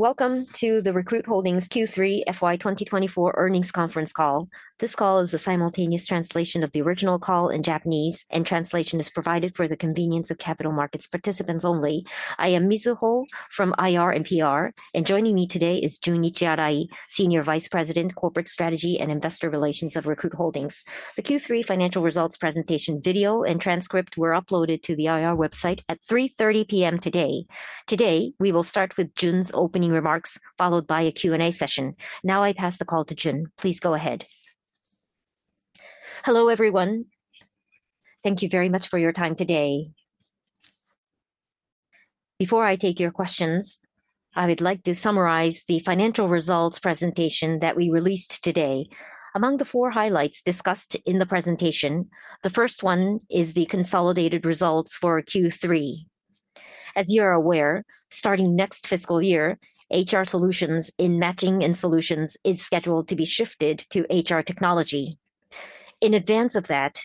Welcome to the Recruit Holdings Q3 FY 2024 earnings conference call. This call is a simultaneous translation of the original call in Japanese, and translation is provided for the convenience of capital markets participants only. I am Mizuho from IR and PR, and joining me today is Junichi Arai, Senior Vice President, Corporate Strategy and Investor Relations of Recruit Holdings. The Q3 financial results presentation video and transcript were uploaded to the IR website at 3:30 P.M. today. Today, we will start with Jun's opening remarks, followed by a Q&A session. Now I pass the call to Jun. Please go ahead. Hello everyone. Thank you very much for your time today. Before I take your questions, I would like to summarize the financial results presentation that we released today. Among the four highlights discussed in the presentation, the first one is the consolidated results for Q3. As you are aware, starting next fiscal year, HR Solutions in Matching & Solutions is scheduled to be shifted to HR Technology. In advance of that,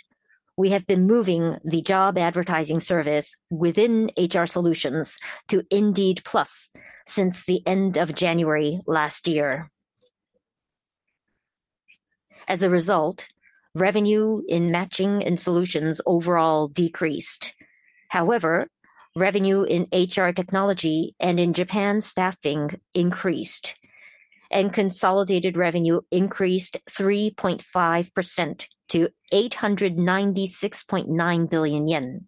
we have been moving the job advertising service within HR Solutions to Indeed PLUS since the end of January last year. As a result, revenue in Matching & Solutions overall decreased. However, revenue in HR Technology and in Japan Staffing increased, and consolidated revenue increased 3.5% to 896.9 billion yen.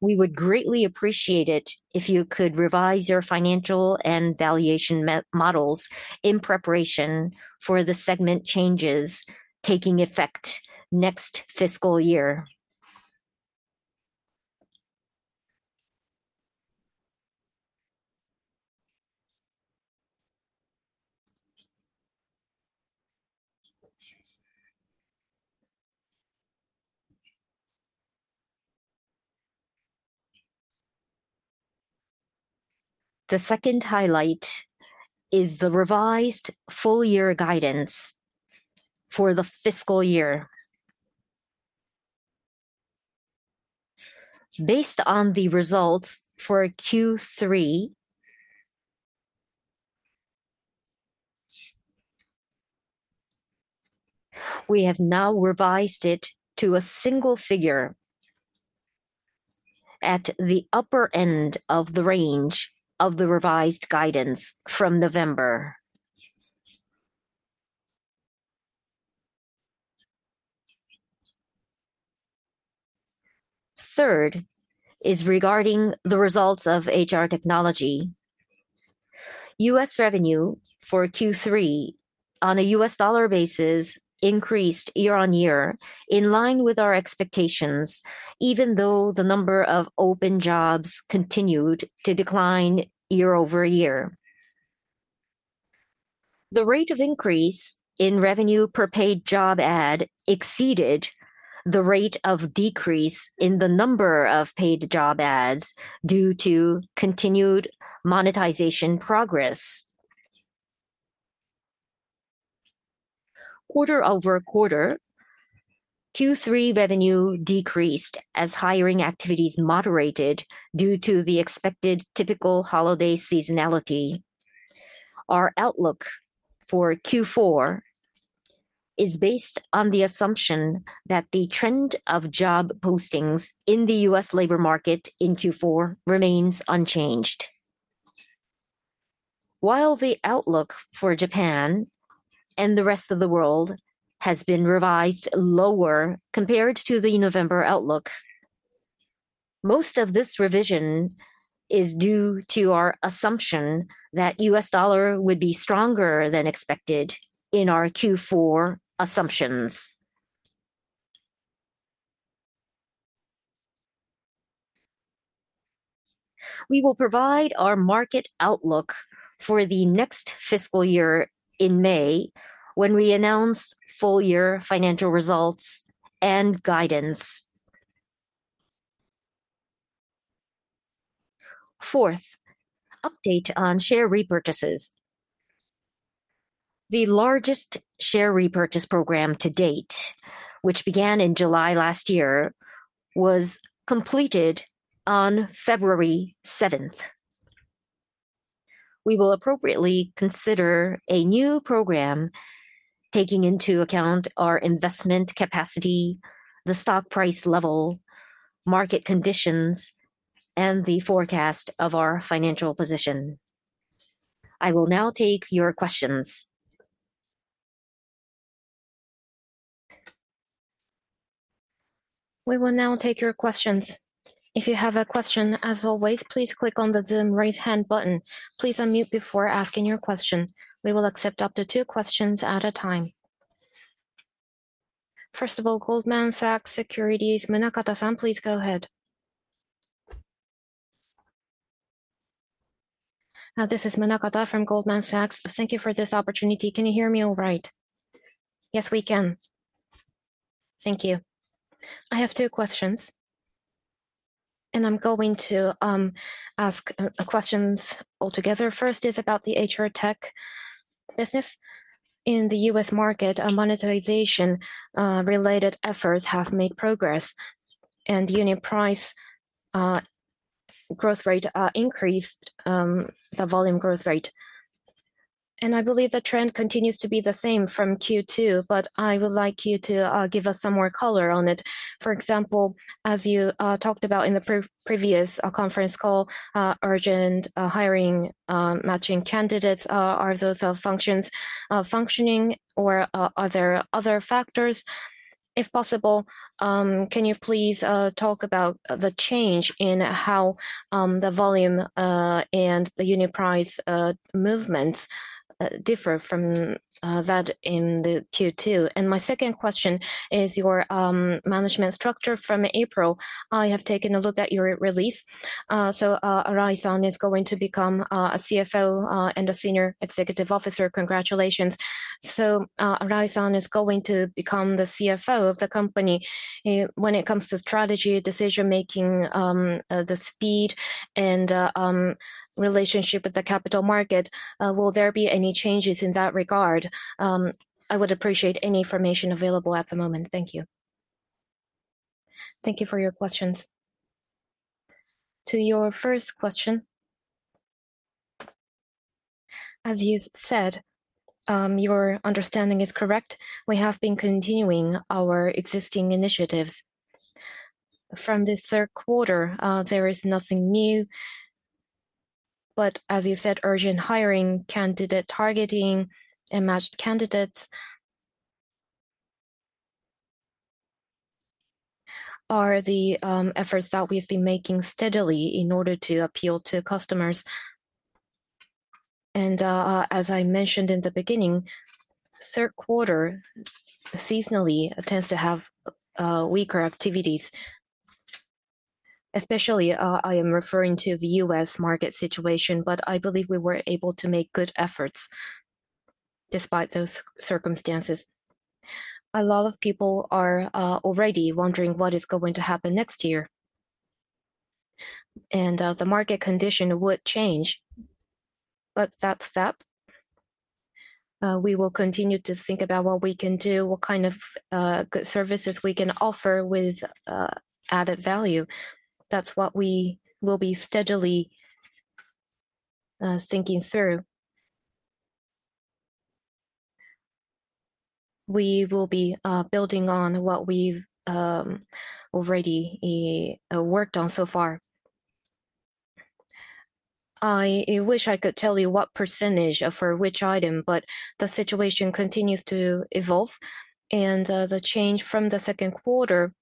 We would greatly appreciate it if you could revise your financial and valuation models in preparation for the segment changes taking effect next fiscal year. The second highlight is the revised full year guidance for the fiscal year. Based on the results for Q3, we have now revised it to a single figure at the upper end of the range of the revised guidance from November. Third is regarding the results of HR Technology. U.S. revenue for Q3 on a US dollar basis increased year on year in line with our expectations, even though the number of open jobs continued to decline year over year. The rate of increase in revenue per paid job ad exceeded the rate of decrease in the number of paid job ads due to continued monetization progress. Quarter over quarter, Q3 revenue decreased as hiring activities moderated due to the expected typical holiday seasonality. Our outlook for Q4 is based on the assumption that the trend of job postings in the U.S. labor market in Q4 remains unchanged. While the outlook for Japan and the rest of the world has been revised lower compared to the November outlook, most of this revision is due to our assumption that US dollar would be stronger than expected in our Q4 assumptions. We will provide our market outlook for the next fiscal year in May when we announce full year financial results and guidance. Fourth, update on share repurchases. The largest share repurchase program to date, which began in July last year, was completed on February 7th. We will appropriately consider a new program taking into account our investment capacity, the stock price level, market conditions, and the forecast of our financial position. I will now take your questions. We will now take your questions. If you have a question, as always, please click on the Zoom raise hand button. Please unmute before asking your question. We will accept up to two questions at a time. First of all, Goldman Sachs Securities, Munakata-san, please go ahead. This is Munakata from Goldman Sachs. Thank you for this opportunity. Can you hear me all right? Yes, we can. Thank you. I have two questions, and I'm going to ask questions altogether. First is about the HR Tech business. In the U.S. market, monetization-related efforts have made progress, and unit price growth rate increased, the volume growth rate. And I believe the trend continues to be the same from Q2, but I would like you to give us some more color on it. For example, as you talked about in the previous conference call, urgent hiring, matching candidates, are those functions functioning, or are there other factors? If possible, can you please talk about the change in how the volume and the unit price movements differ from that in the Q2? And my second question is your management structure from April. I have taken a look at your release. So Arai-san is going to become a CFO and a Senior Executive Officer. Congratulations. So Arai-san is going to become the CFO of the company. When it comes to strategy, decision-making, the speed, and relationship with the capital market, will there be any changes in that regard? I would appreciate any information available at the moment. Thank you. Thank you for your questions. To your first question, as you said, your understanding is correct. We have been continuing our existing initiatives. From this third quarter, there is nothing new, but as you said, urgent hiring, candidate targeting, and matched candidates are the efforts that we've been making steadily in order to appeal to customers. And as I mentioned in the beginning, third quarter seasonally tends to have weaker activities, especially I am referring to the U.S. market situation, but I believe we were able to make good efforts despite those circumstances. A lot of people are already wondering what is going to happen next year, and the market condition would change, but that's that. We will continue to think about what we can do, what kind of good services we can offer with added value. That's what we will be steadily thinking through. We will be building on what we've already worked on so far. I wish I could tell you what percentage for which item, but the situation continues to evolve, and the change from the second quarter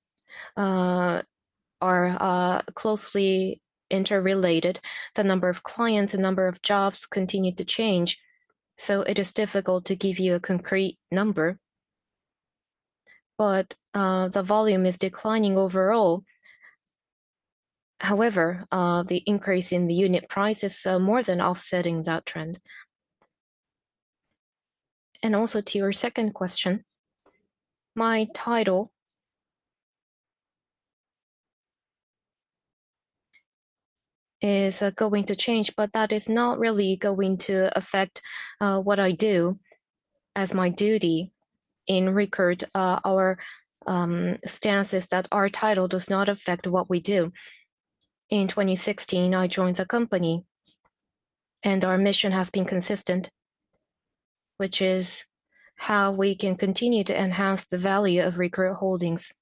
are closely interrelated. The number of clients, the number of jobs continue to change, so it is difficult to give you a concrete number, but the volume is declining overall. However, the increase in the unit price is more than offsetting that trend. And also to your second question, my title is going to change, but that is not really going to affect what I do as my duty in Recruit. Our stance is that our title does not affect what we do. In 2016, I joined the company, and our mission has been consistent, which is how we can continue to enhance the value of Recruit Holdings.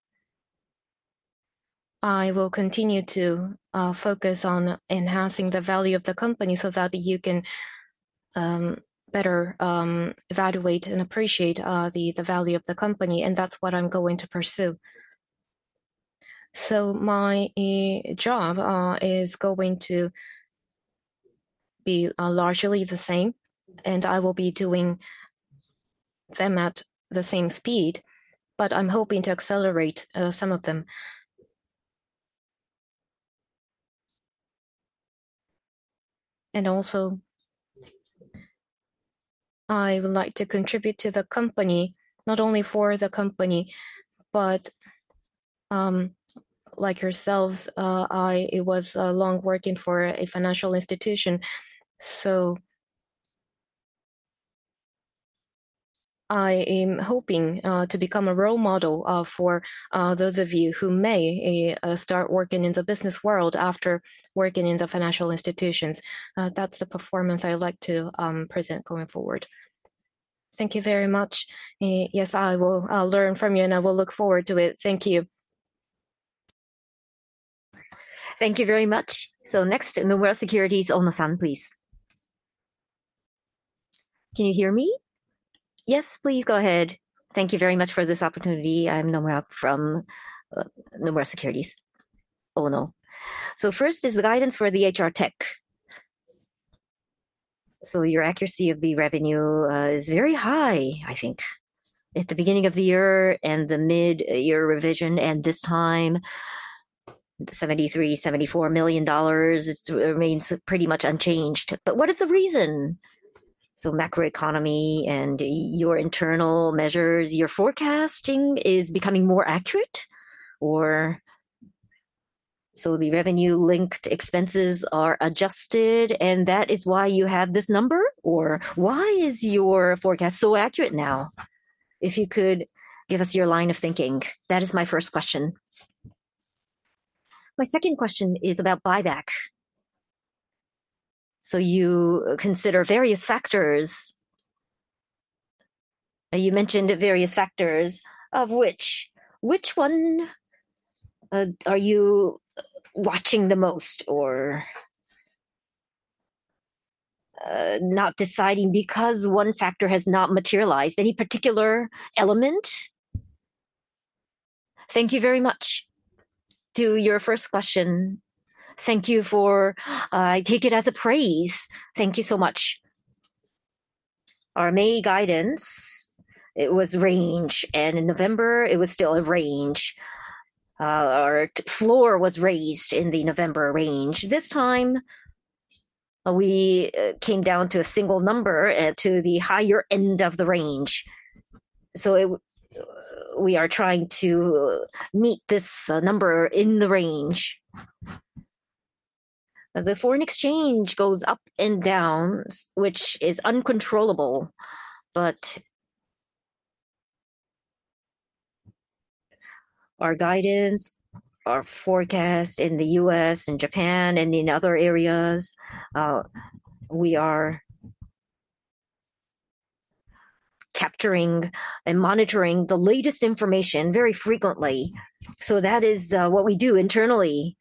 I will continue to focus on enhancing the value of the company so that you can better evaluate and appreciate the value of the company, and that's what I'm going to pursue. So my job is going to be largely the same, and I will be doing them at the same speed, but I'm hoping to accelerate some of them. And also, I would like to contribute to the company, not only for the company, but like yourselves, I was long working for a financial institution. So I am hoping to become a role model for those of you who may start working in the business world after working in the financial institutions. That's the performance I like to present going forward. Thank you very much. Yes, I will learn from you, and I will look forward to it. Thank you. Thank you very much. So next, Nomura Securities, Ono-san, please. Can you hear me? Yes, please go ahead. Thank you very much for this opportunity. I'm Ono from Nomura Securities. So first is the guidance for the HR Tech. So your accuracy of the revenue is very high, I think, at the beginning of the year and the mid-year revision, and this time, JPY 73 million-JPY 74 million, it remains pretty much unchanged. But what is the reason? So macroeconomy and your internal measures, your forecasting is becoming more accurate, or so the revenue-linked expenses are adjusted, and that is why you have this number, or why is your forecast so accurate now? If you could give us your line of thinking, that is my first question. My second question is about buyback. So you consider various factors. You mentioned various factors, of which one are you watching the most or not deciding because one factor has not materialized? Any particular element? Thank you very much. To your first question, thank you, for I take it as a praise. Thank you so much. Our May guidance, it was range, and in November, it was still a range. Our floor was raised in the November range. This time, we came down to a single number to the higher end of the range, so we are trying to meet this number in the range. The foreign exchange goes up and down, which is uncontrollable, but our guidance, our forecast in the U.S. and Japan and in other areas, we are capturing and monitoring the latest information very frequently. So that is what we do internally,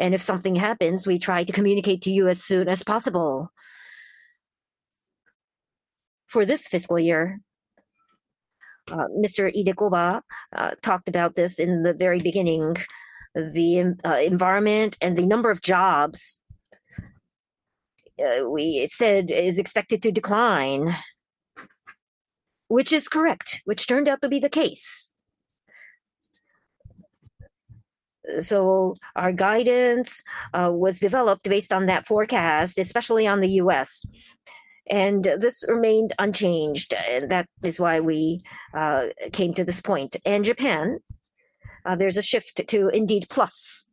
and if something happens, we try to communicate to you as soon as possible. For this fiscal year, Mr. Idekoba talked about this in the very beginning. The environment and the number of jobs, we said, is expected to decline, which is correct, which turned out to be the case. So our guidance was developed based on that forecast, especially on the U.S. And this remained unchanged. That is why we came to this point. And Japan, there's a shift to Indeed PLUS.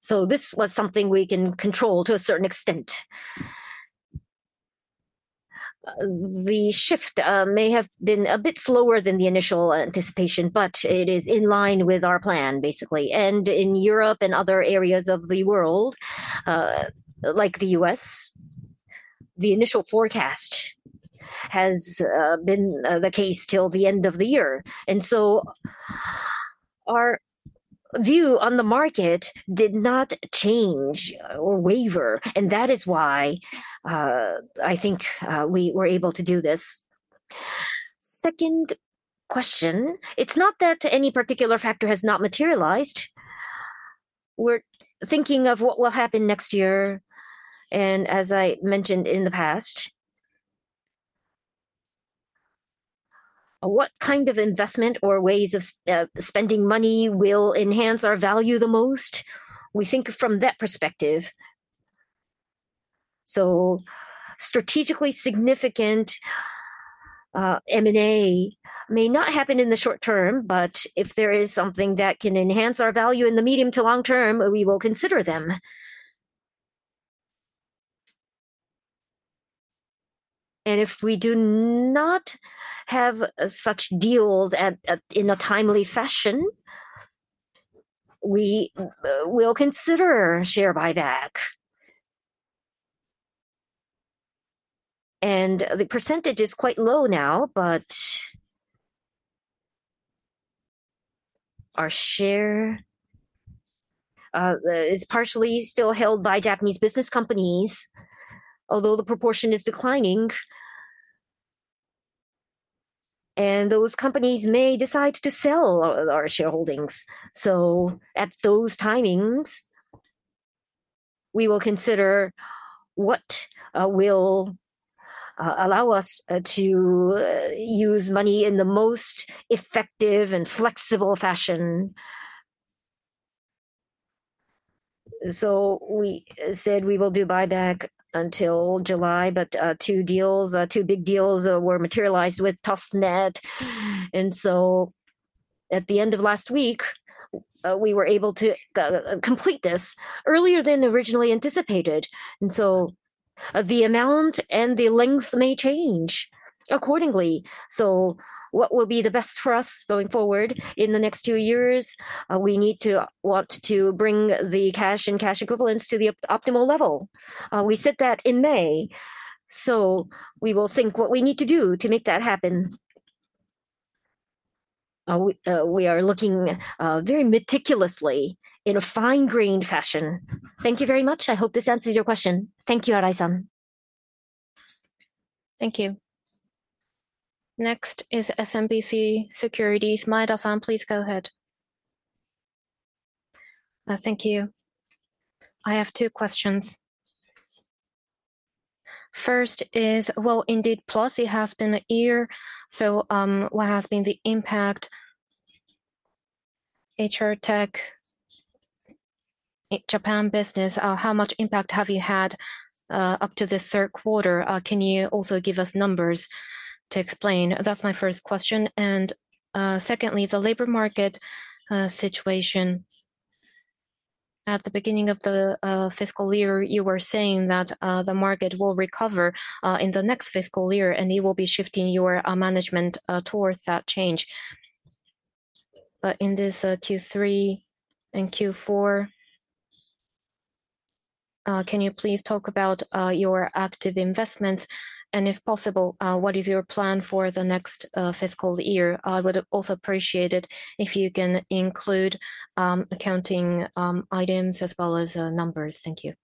So this was something we can control to a certain extent. The shift may have been a bit slower than the initial anticipation, but it is in line with our plan, basically. And in Europe and other areas of the world, like the U.S., the initial forecast has been the case till the end of the year. And so our view on the market did not change or waver. And that is why I think we were able to do this. Second question, it's not that any particular factor has not materialized. We're thinking of what will happen next year, and as I mentioned in the past, what kind of investment or ways of spending money will enhance our value the most? We think from that perspective, so strategically significant M&A may not happen in the short term, but if there is something that can enhance our value in the medium to long term, we will consider them, and if we do not have such deals in a timely fashion, we will consider share buyback, and the percentage is quite low now, but our share is partially still held by Japanese business companies, although the proportion is declining, and those companies may decide to sell our shareholdings, so at those timings, we will consider what will allow us to use money in the most effective and flexible fashion. So we said we will do buyback until July, but two deals, two big deals were materialized with ToSTNeT. And so at the end of last week, we were able to complete this earlier than originally anticipated. And so the amount and the length may change accordingly. So what will be the best for us going forward in the next two years? We need to want to bring the cash and cash equivalents to the optimal level. We said that in May. So we will think what we need to do to make that happen. We are looking very meticulously in a fine-grained fashion. Thank you very much. I hope this answers your question. Thank you, Arai-san. Thank you. Next is SMBC Securities. Maeda-san, please go ahead. Thank you. I have two questions. First is, well, Indeed PLUS, it has been a year. So what has been the impact? HR Tech, Japan business, how much impact have you had up to this third quarter? Can you also give us numbers to explain? That's my first question. And secondly, the labor market situation. At the beginning of the fiscal year, you were saying that the market will recover in the next fiscal year, and you will be shifting your management towards that change. But in this Q3 and Q4, can you please talk about your active investments? And if possible, what is your plan for the next fiscal year? I would also appreciate it if you can include accounting items as well as numbers. Thank you.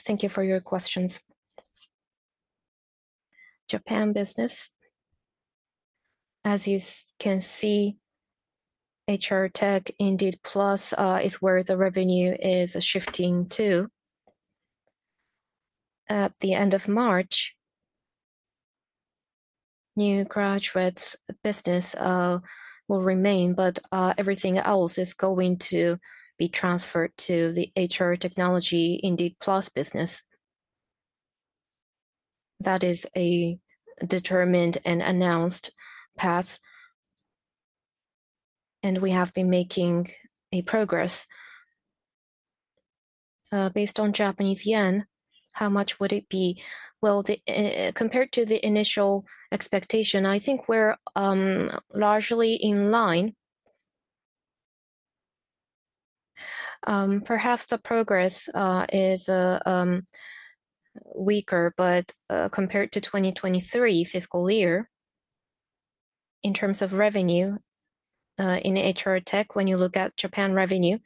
Thank you for your questions. Japan business. As you can see, HR Technology, Indeed PLUS, is where the revenue is shifting to. At the end of March, new graduates' business will remain, but everything else is going to be transferred to the HR Technology, Indeed PLUS business. That is a determined and announced path, and we have been making progress. Based on Japanese yen, how much would it be? Well, compared to the initial expectation, I think we're largely in line. Perhaps the progress is weaker, but compared to 2023 fiscal year, in terms of revenue in HR Technology, when you look at Japan revenue,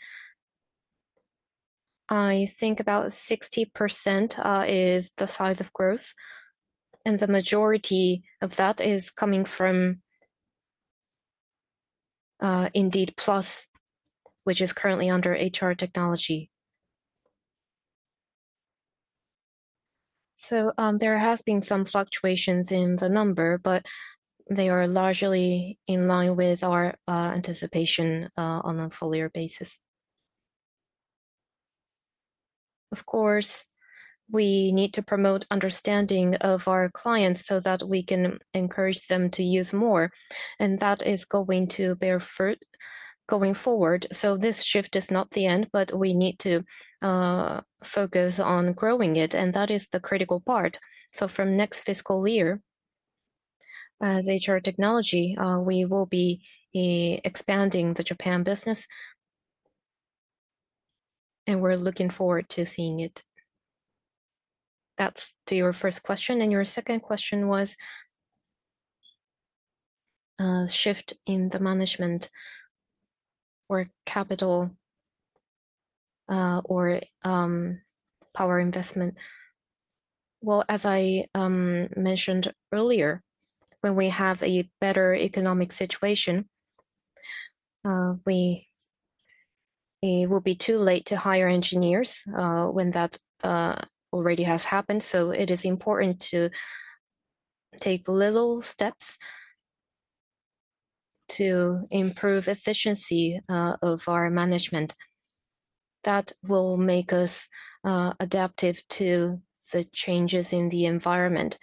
I think about 60% is the size of growth, and the majority of that is coming from Indeed PLUS, which is currently under HR Technology, so there has been some fluctuations in the number, but they are largely in line with our anticipation on a full year basis. Of course, we need to promote understanding of our clients so that we can encourage them to use more. And that is going to bear fruit going forward. So this shift is not the end, but we need to focus on growing it. And that is the critical part. So from next fiscal year, as HR Technology, we will be expanding the Japan business. And we're looking forward to seeing it. That's to your first question. And your second question was shift in the management or capital or power investment. Well, as I mentioned earlier, when we have a better economic situation, it will be too late to hire engineers when that already has happened. So it is important to take little steps to improve efficiency of our management. That will make us adaptive to the changes in the environment.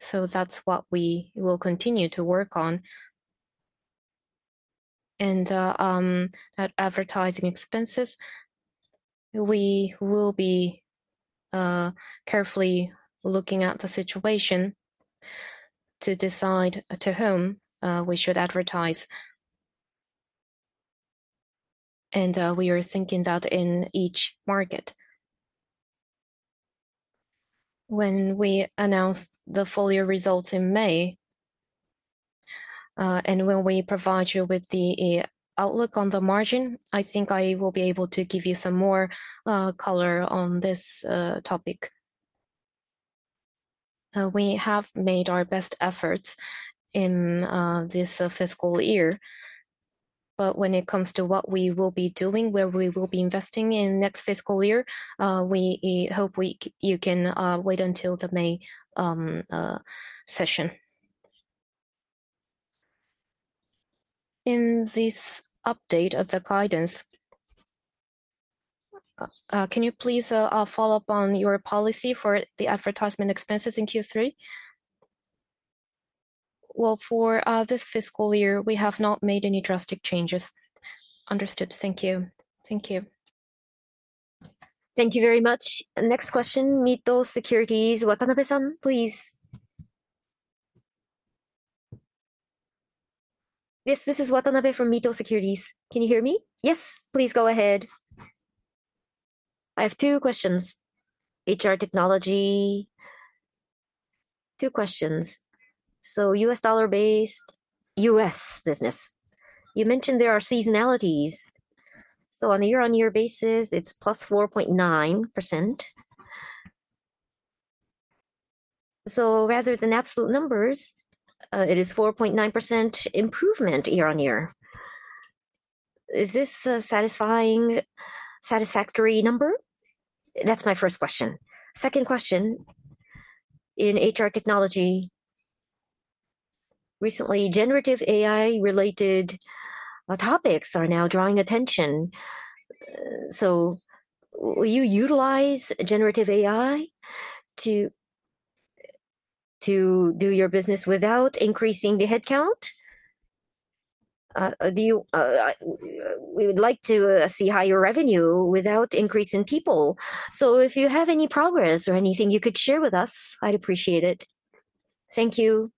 So that's what we will continue to work on. And advertising expenses, we will be carefully looking at the situation to decide to whom we should advertise. And we are thinking that in each market. When we announce the full year results in May, and when we provide you with the outlook on the margin, I think I will be able to give you some more color on this topic. We have made our best efforts in this fiscal year. But when it comes to what we will be doing, where we will be investing in next fiscal year, we hope you can wait until the May session. In this update of the guidance, can you please follow up on your policy for the advertisement expenses in Q3? Well, for this fiscal year, we have not made any drastic changes. Understood. Thank you. Thank you. Thank you very much. Next question, Mito Securities. Watanabe-san, please. Yes, this is Watanabe from Mito Securities. Can you hear me? Yes, please go ahead. I have two questions. HR Technology, two questions. So U.S. dollar-based U.S. business. You mentioned there are seasonalities. So on a year-on-year basis, it's plus 4.9%. So rather than absolute numbers, it is 4.9% improvement year-on-year. Is this a satisfactory number? That's my first question. Second question, in HR Technology, recently, generative AI-related topics are now drawing attention. So will you utilize generative AI to do your business without increasing the headcount? We would like to see higher revenue without increasing people. So if you have any progress or anything you could share with us, I'd appreciate it. Thank you.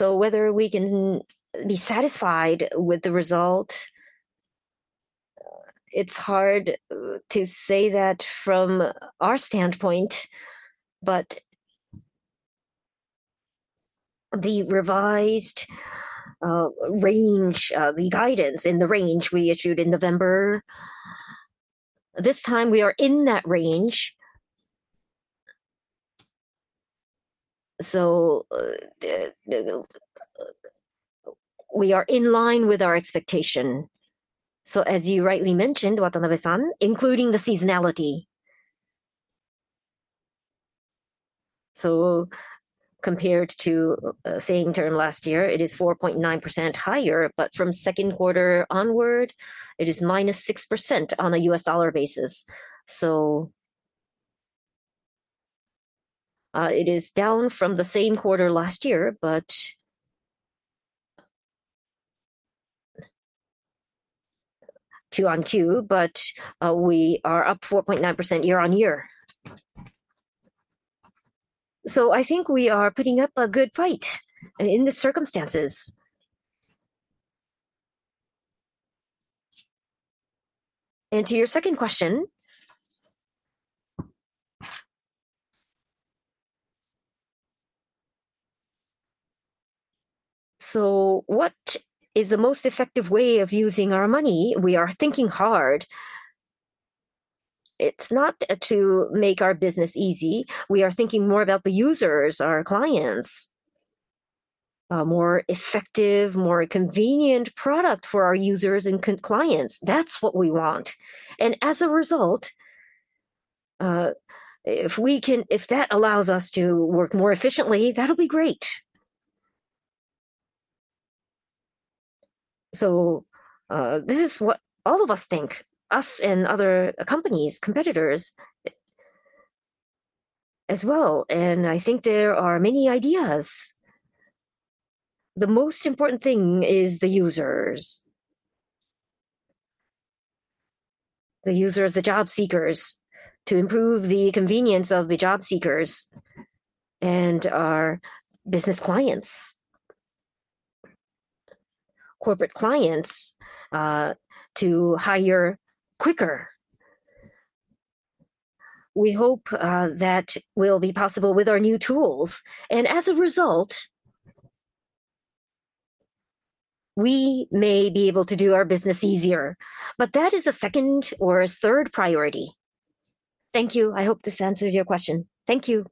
Whether we can be satisfied with the result, it's hard to say that from our standpoint, but the revised range, the guidance in the range we issued in November, this time we are in that range. We are in line with our expectation. As you rightly mentioned, Watanabe-san, including the seasonality. Compared to the same term last year, it is 4.9% higher, but from second quarter onward, it is -6% on a US dollar basis. It is down from the same quarter last year, but Q-on-Q, but we are up 4.9% year-on-year. I think we are putting up a good fight in these circumstances. To your second question, what is the most effective way of using our money? We are thinking hard. It's not to make our business easy. We are thinking more about the users, our clients, a more effective, more convenient product for our users and clients. That's what we want, and as a result, if that allows us to work more efficiently, that'll be great, so this is what all of us think, us and other companies, competitors as well, and I think there are many ideas. The most important thing is the users, the users, the job seekers, to improve the convenience of the job seekers and our business clients, corporate clients, to hire quicker. We hope that will be possible with our new tools, and as a result, we may be able to do our business easier, but that is a second or a third priority. Thank you. I hope this answers your question. Thank you.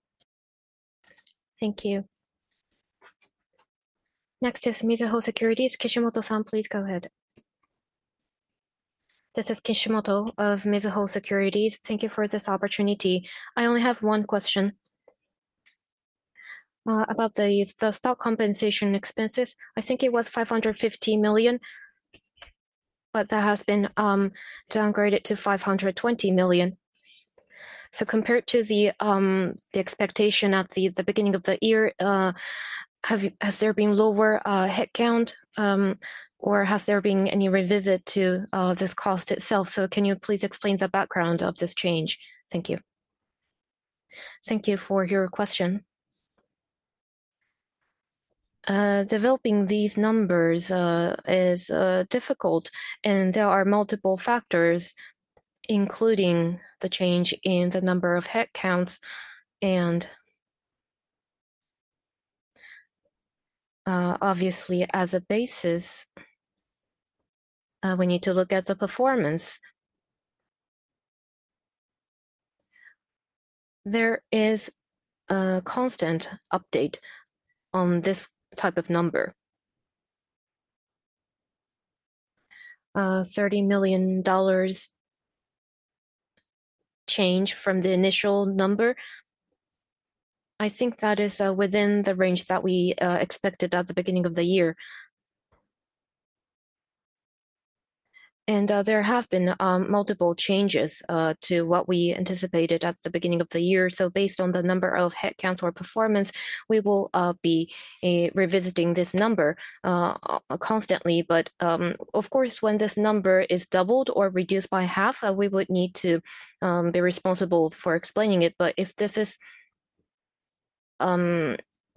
Thank you. Next is Mizuho Securities. Kishimoto-san, please go ahead. This is Kishimoto of Mizuho Securities. Thank you for this opportunity. I only have one question about the stock compensation expenses. I think it was 550 million, but that has been downgraded to 520 million. So compared to the expectation at the beginning of the year, has there been lower headcount, or has there been any revisit to this cost itself? So can you please explain the background of this change? Thank you. Thank you for your question. Developing these numbers is difficult, and there are multiple factors, including the change in the number of headcounts. And obviously, as a basis, we need to look at the performance. There is a constant update on this type of number, JPY 30 million change from the initial number. I think that is within the range that we expected at the beginning of the year. And there have been multiple changes to what we anticipated at the beginning of the year. So based on the number of headcounts or performance, we will be revisiting this number constantly. But of course, when this number is doubled or reduced by half, we would need to be responsible for explaining it. But if this is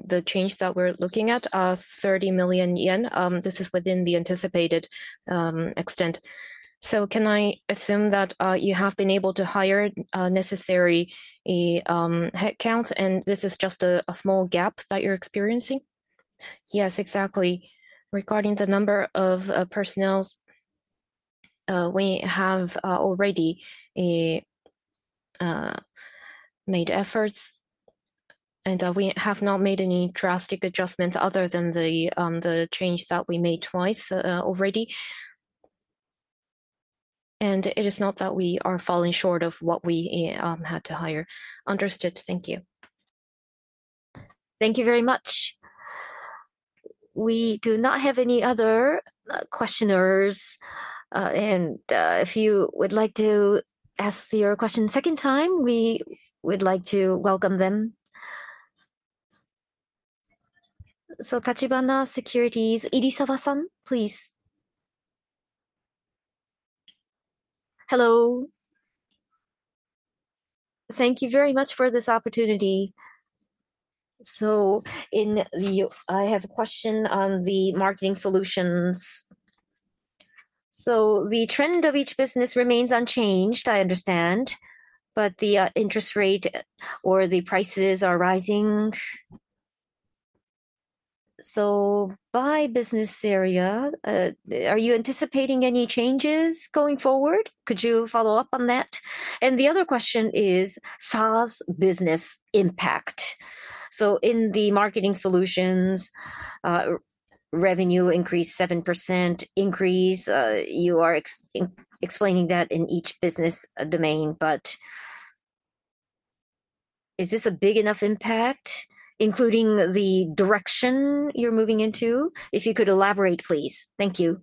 the change that we're looking at, 30 million yen, this is within the anticipated extent. So can I assume that you have been able to hire necessary headcounts, and this is just a small gap that you're experiencing? Yes, exactly. Regarding the number of personnel, we have already made efforts, and we have not made any drastic adjustments other than the change that we made twice already. It is not that we are falling short of what we had to hire. Understood. Thank you. Thank you very much. We do not have any other questioners. And if you would like to ask your question a second time, we would like to welcome them. So Tachibana Securities, Irizawa-san, please. Hello. Thank you very much for this opportunity. So. In the, I have a question on the Marketing Solutions. So the trend of each business remains unchanged, I understand, but the interest rate or the prices are rising. So by business area, are you anticipating any changes going forward? Could you follow up on that? And the other question is SaaS business impact. So in the marketing solutions, revenue increased 7% increase. You are explaining that in each business domain, but is this a big enough impact, including the direction you're moving into? If you could elaborate, please. Thank you.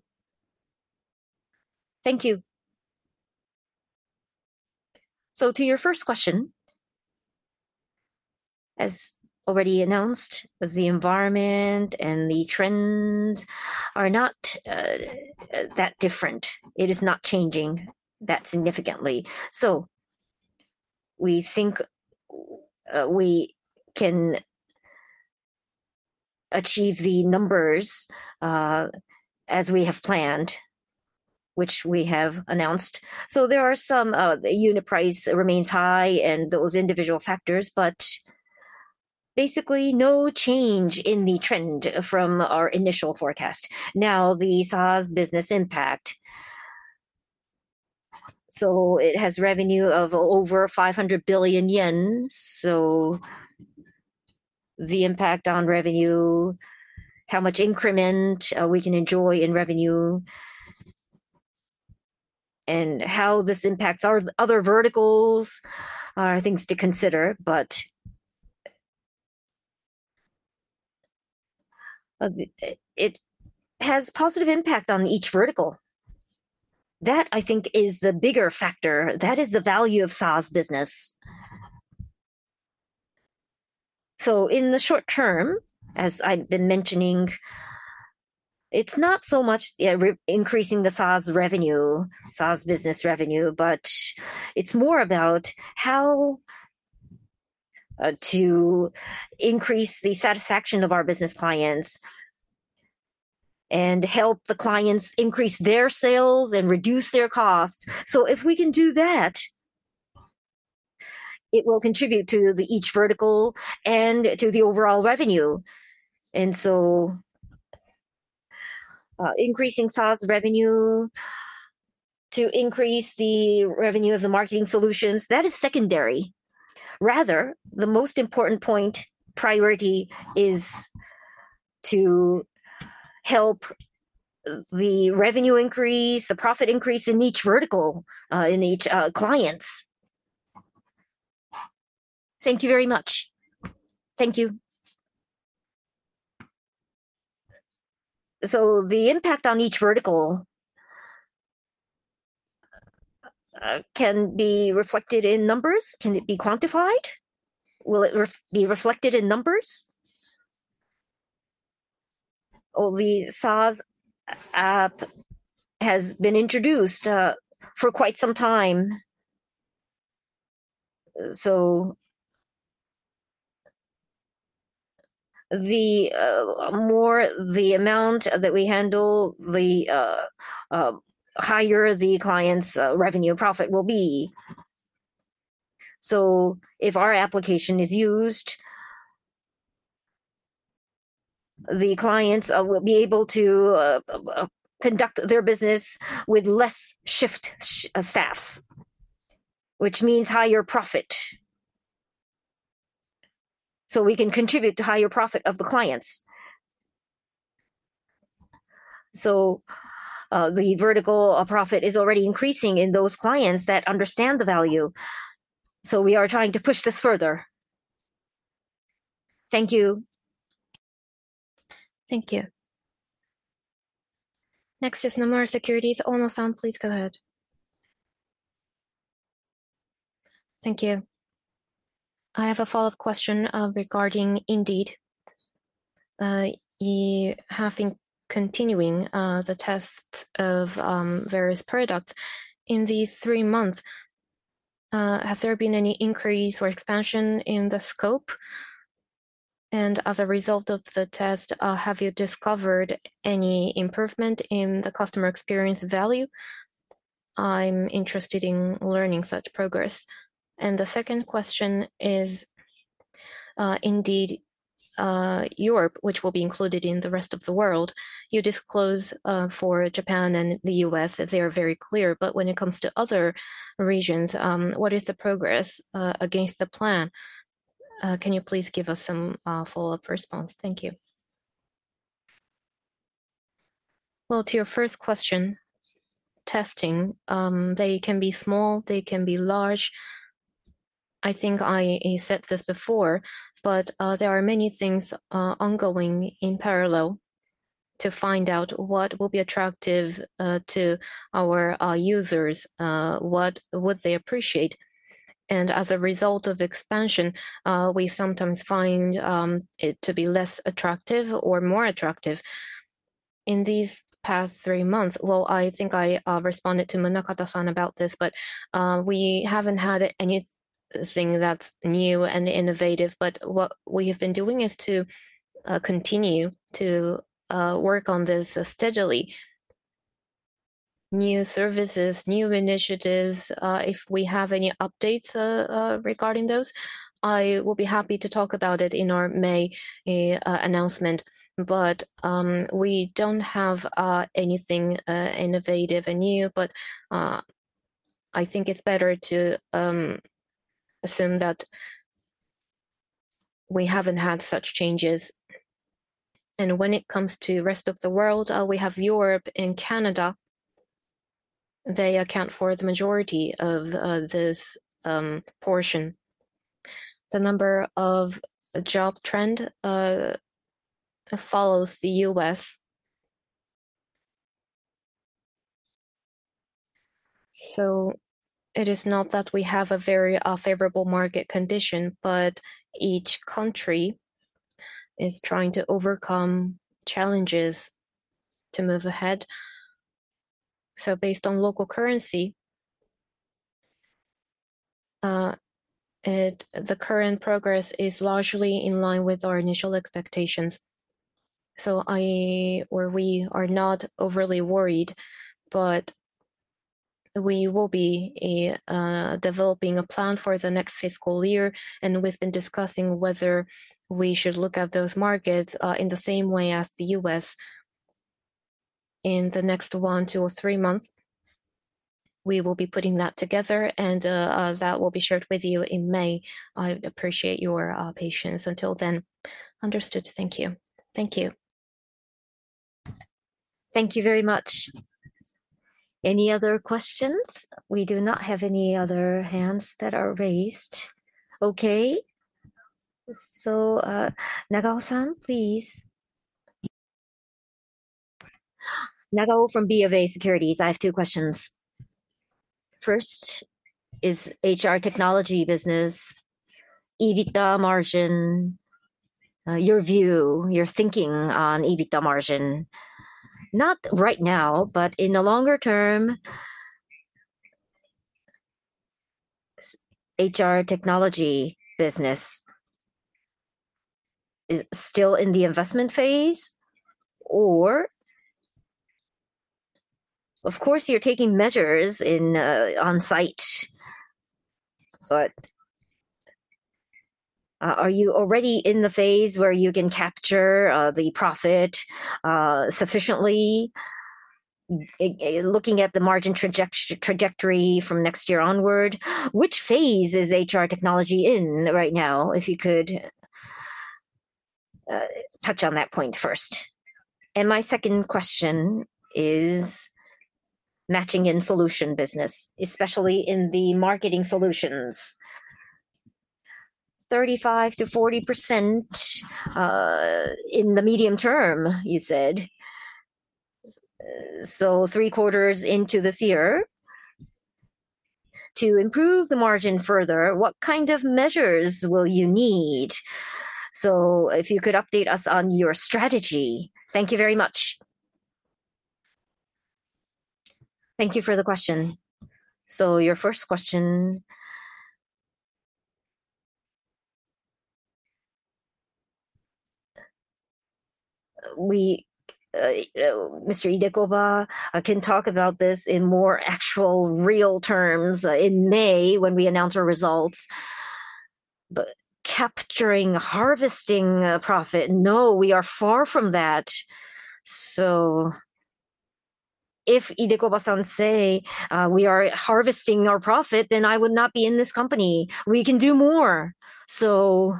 Thank you. So to your first question, as already announced, the environment and the trends are not that different. It is not changing that significantly. So we think we can achieve the numbers as we have planned, which we have announced. So there are some unit price remains high and those individual factors, but basically no change in the trend from our initial forecast. Now, the SaaS business impact, so it has revenue of over 500 billion yen. So the impact on revenue, how much increment we can enjoy in revenue, and how this impacts our other verticals are things to consider, but it has a positive impact on each vertical. That, I think, is the bigger factor. That is the value of SaaS business. So in the short term, as I've been mentioning, it's not so much increasing the SaaS revenue, SaaS business revenue, but it's more about how to increase the satisfaction of our business clients and help the clients increase their sales and reduce their costs. So if we can do that, it will contribute to each vertical and to the overall revenue. And so increasing SaaS revenue to increase the revenue of the Marketing Solutions, that is secondary. Rather, the most important point priority is to help the revenue increase, the profit increase in each vertical, in each client. Thank you very much. Thank you. So the impact on each vertical can be reflected in numbers. Can it be quantified? Will it be reflected in numbers? Or the SaaS app has been introduced for quite some time. So the more the amount that we handle, the higher the client's revenue profit will be. So if our application is used, the clients will be able to conduct their business with less shift staffs, which means higher profit. So we can contribute to higher profit of the clients. So the vertical profit is already increasing in those clients that understand the value. So we are trying to push this further. Thank you. Thank you. Next is Nomura Securities. Ono-san, please go ahead. Thank you. I have a follow-up question regarding Indeed. You have been continuing the test of various products in these three months. Has there been any increase or expansion in the scope? And as a result of the test, have you discovered any improvement in the customer experience value? I'm interested in learning such progress. And the second question is Indeed, Europe, which will be included in the Rest of the world. You disclose for Japan and the U.S. that they are very clear, but when it comes to other regions, what is the progress against the plan? Can you please give us some follow-up response? Thank you. Well, to your first question, testing, they can be small, they can be large. I think I said this before, but there are many things ongoing in parallel to find out what will be attractive to our users, what would they appreciate. As a result of expansion, we sometimes find it to be less attractive or more attractive in these past three months. I think I responded to Munakata-san about this, but we haven't had anything that's new and innovative. What we have been doing is to continue to work on this steadily. New services, new initiatives. If we have any updates regarding those, I will be happy to talk about it in our May announcement. We don't have anything innovative and new, but I think it's better to assume that we haven't had such changes. When it comes to the rest of the world, we have Europe and Canada. They account for the majority of this portion. The number of job trends follows the U.S. So it is not that we have a very favorable market condition, but each country is trying to overcome challenges to move ahead. So based on local currency, the current progress is largely in line with our initial expectations. So we are not overly worried, but we will be developing a plan for the next fiscal year. And we've been discussing whether we should look at those markets in the same way as the U.S. in the next one, two, or three months. We will be putting that together, and that will be shared with you in May. I appreciate your patience until then. Understood. Thank you. Thank you. Thank you very much. Any other questions? We do not have any other hands that are raised. Okay. So Nagao-san, please. Nagao from B of A Securities. I have two questions. First is HR Technology business, EBITDA margin, your view, your thinking on EBITDA margin. Not right now, but in the longer term, HR Technology business is still in the investment phase, or of course, you're taking measures on site, but are you already in the phase where you can capture the profit sufficiently looking at the margin trajectory from next year onward? Which phase is HR Technology in right now, if you could touch on that point first? And my second question is Matching and Solutions business, especially in the Marketing Solutions. 35%-40% in the medium term, you said. So three quarters into this year. To improve the margin further, what kind of measures will you need? So if you could update us on your strategy. Thank you very much. Thank you for the question. Your first question, Mr. Idekoba, I can talk about this in more actual real terms in May when we announce our results. But capturing, harvesting profit, no, we are far from that. So if Idekoba-san say we are harvesting our profit, then I would not be in this company. We can do more. So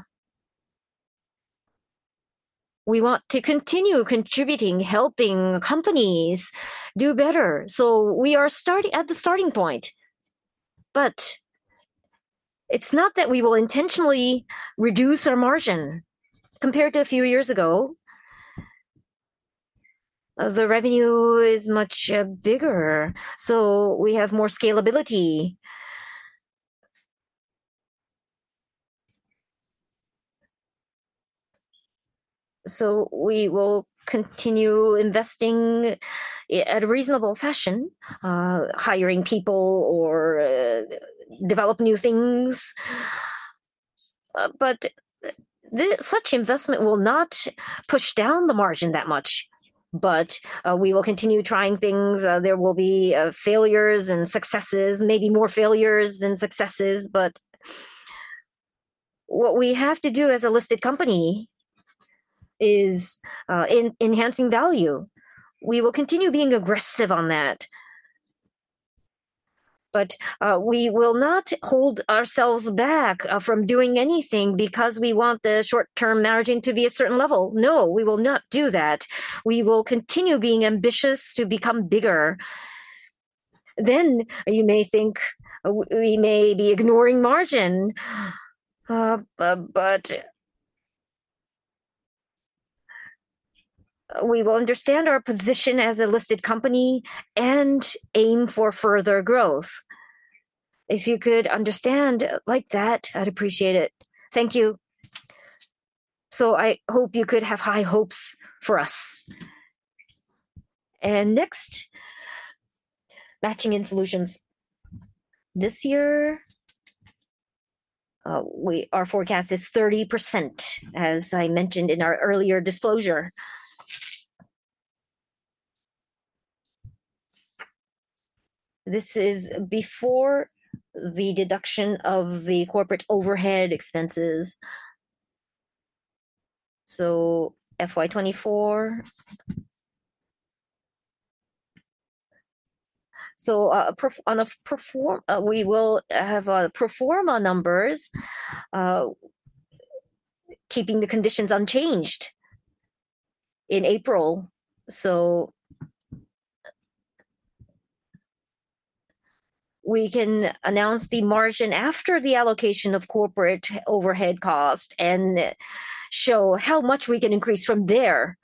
we want to continue contributing, helping companies do better. So we are starting at the starting point. But it's not that we will intentionally reduce our margin compared to a few years ago. The revenue is much bigger. So we have more scalability. So we will continue investing in a reasonable fashion, hiring people or develop new things. But such investment will not push down the margin that much, but we will continue trying things. There will be failures and successes, maybe more failures than successes. But what we have to do as a listed company is enhancing value. We will continue being aggressive on that. But we will not hold ourselves back from doing anything because we want the short-term margin to be a certain level. No, we will not do that. We will continue being ambitious to become bigger. Then you may think we may be ignoring margin, but we will understand our position as a listed company and aim for further growth. If you could understand like that, I'd appreciate it. Thank you. So I hope you could have high hopes for us. And next, Matching and Solutions. This year, our forecast is 30%, as I mentioned in our earlier disclosure. This is before the deduction of the corporate overhead expenses. So FY24. So we will have pro forma numbers, keeping the conditions unchanged in April. So we can announce the margin after the allocation of corporate overhead cost and show how much we can increase from there.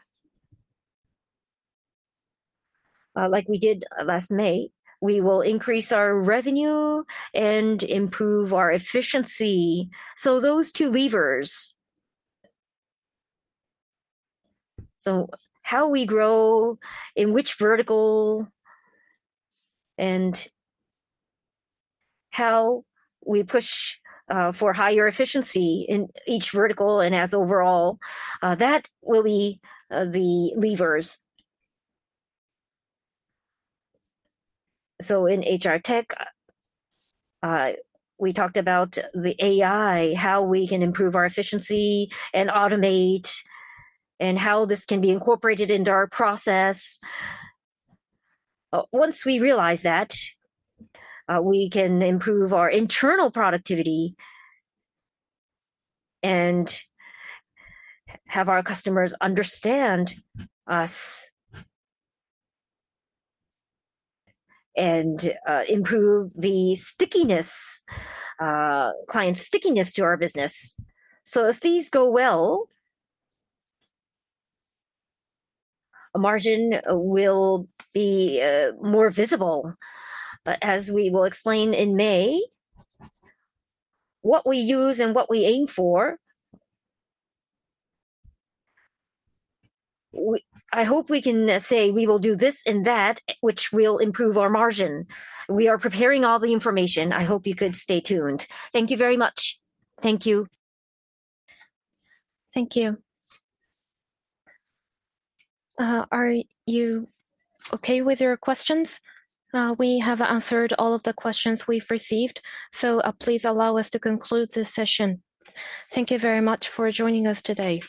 Like we did last May, we will increase our revenue and improve our efficiency. So those two levers. So how we grow in which vertical and how we push for higher efficiency in each vertical and as overall, that will be the levers. So in HR tech, we talked about the AI, how we can improve our efficiency and automate and how this can be incorporated into our process. Once we realize that, we can improve our internal productivity and have our customers understand us and improve the stickiness, client stickiness to our business. So if these go well, a margin will be more visible. But as we will explain in May, what we use and what we aim for, I hope we can say we will do this and that, which will improve our margin. We are preparing all the information. I hope you could stay tuned. Thank you very much. Thank you. Thank you. Are you okay with your questions? We have answered all of the questions we've received. So please allow us to conclude this session. Thank you very much for joining us today.